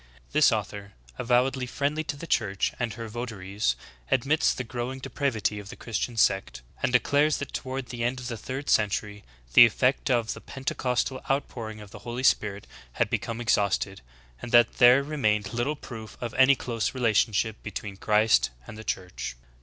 This author, avow^edly friendly to the Church and her vo taries, admits the growing depravity of the Christian sect, '•As quoted by Milner, "Church History," Cent. Ill, ch. 8. INTERNAL CAUSES. 87 and declares that toward the end of the third century the effect of the Pentecostal outpouring of the Holy Spirit had become exhausted, and that there remained little proof of any close relationship between Christ and the Church.